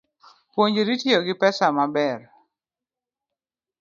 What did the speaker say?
Puonjri tiyo gi pesa maber